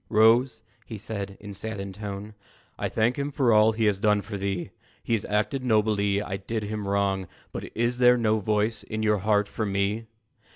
"Rose," he said, in a saddened tone, "I thank him for all he has done for thee; He has acted nobly I did him wrong But is there no voice in your heart for me?"